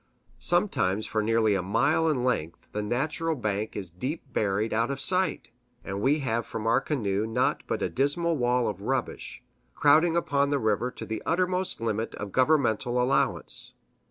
Sometimes for nearly a mile in length, the natural bank is deep buried out of sight; and we have from our canoe naught but a dismal wall of rubbish, crowding upon the river to the uttermost limit of governmental allowance.